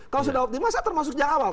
kalau sudah optimal saya termasuk sejak awal